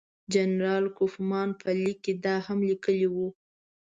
جنرال کوفمان په لیک کې دا هم لیکلي وو.